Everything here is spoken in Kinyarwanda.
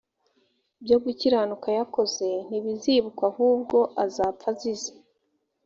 byo gukiranuka yakoze ntibizibukwa ahubwo azapfa azize